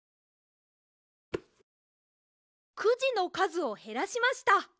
くじのかずをへらしました。